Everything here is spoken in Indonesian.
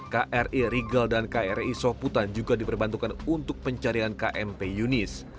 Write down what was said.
kri rigel dan kri soputan juga diperbantukan untuk pencarian kmp yunis